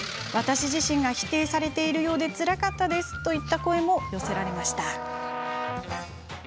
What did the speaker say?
私自身が否定されているようでつらかったですといった声も寄せられました。